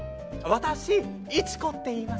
私イチコっていいます。